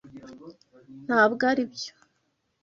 Ntabwo aribyo.